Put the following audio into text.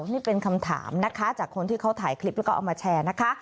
นี่เป็นคำถามนะคะจากคนที่เขาถ่ายคลิปแล้วก็เอามาแชร์นะคะ